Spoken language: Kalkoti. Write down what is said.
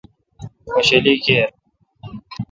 خوشلی کیر